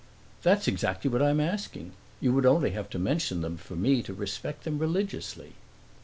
"That's exactly what I'm asking. You would only have to mention them for me to respect them religiously."